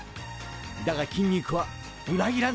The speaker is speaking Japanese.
だが筋肉は裏切らない！